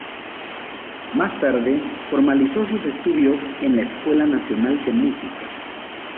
Más tarde, formalizó sus estudios en la Escuela Nacional de Música.